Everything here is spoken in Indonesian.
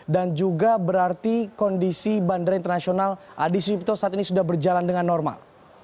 dan juga berarti kondisi bandara internasional adiswipto saat ini sudah berjalan dengan normal